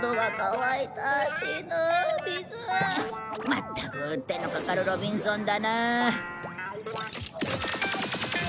まったく手のかかるロビンソンだな。